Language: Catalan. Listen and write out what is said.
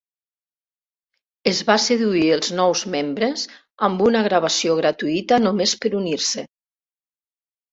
Es va seduir els nous membres amb una gravació gratuïta només per unir-se.